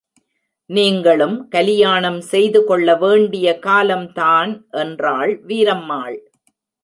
நீங்களும் கலியாணம் செய்து கொள்ள வேண்டிய காலம் தான் என்றாள் வீரம்மாள்.